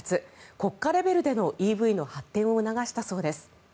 国家レベルでのＥＶの発展を促したそうです。